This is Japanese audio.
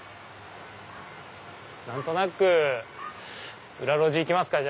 何となく裏路地行きますか。